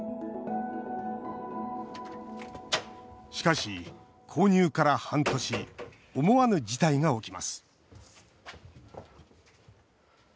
しかし、購入から半年思わぬ事態が起きます